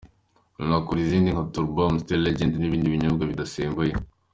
Runakora izindi nka Turbo, Amstel, Legend n’ibindi binyobwa bidasembuye.